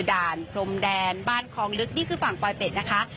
ด่านพรมแดนบ้านคลองลึกนี่คือฝั่งปลอยเป็ดนะคะ